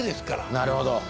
なるほど。